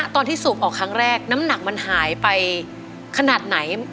สูบออกครั้งแรกน้ำหนักมันหายไปขนาดไหน